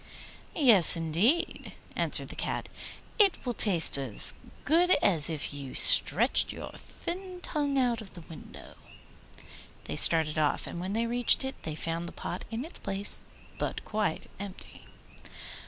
'Yes, indeed,' answered the Cat; 'it will taste as good to you as if you stretched your thin tongue out of the window.' They started off, and when they reached it they found the pot in its place, but quite empty!